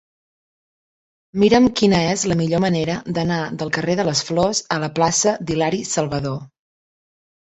Mira'm quina és la millor manera d'anar del carrer de les Flors a la plaça d'Hilari Salvadó.